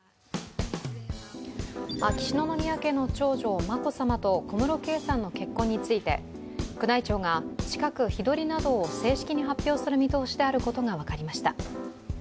秋篠宮家の長女・眞子さまと小室圭さんの結婚について宮内庁が近く、日取りなどを正式に発表する見通しであることが分かりました。